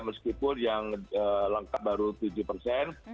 meskipun yang lengkap baru tujuh persen